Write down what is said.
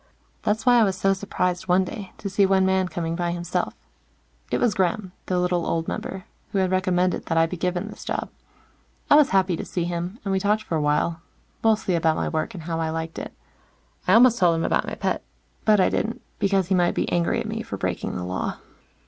That's why I was so surprised one day, to see one man coming by himself. It was Gremm, the little old member, who had recommended that I be given this job. I was happy to see him, and we talked for a while, mostly about my work, and how I liked it. I almost told him about my pet, but I didn't, because he might be angry at me for breaking the Law.